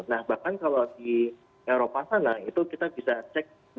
nah bahkan kalau di eropa sana itu kita bisa cek